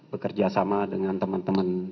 bekerja sama dengan teman teman